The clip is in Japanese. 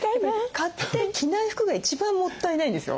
買って着ない服が一番もったいないんですよ。